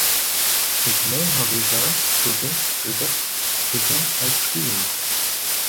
His main hobbies are shooting, cricket, fishing, and skiing.